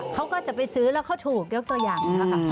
เขาก็จะไปซื้อแล้วเขาถูกยกตัวอย่างนะครับ